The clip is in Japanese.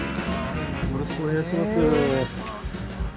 よろしくお願いします。